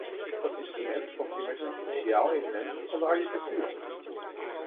Dat instrument vormt immers een cruciaal element van de architectuur.